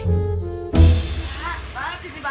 hah sini mbak